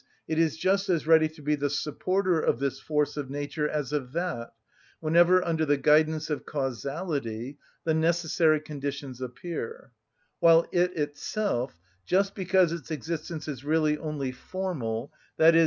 _, it is just as ready to be the supporter of this force of nature as of that, whenever, under the guidance of causality, the necessary conditions appear; while it itself, just because its existence is really only formal, _i.e.